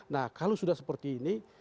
nah kalau sudah seperti ini